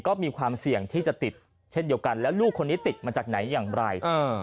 ก็มีความเสี่ยงที่จะติดเช่นเดียวกันแล้วลูกคนนี้ติดมาจากไหนอย่างไร